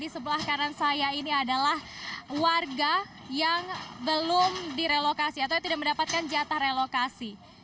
di sebelah kanan saya ini adalah warga yang belum direlokasi atau tidak mendapatkan jatah relokasi